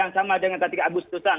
sama dengan ketika agustusan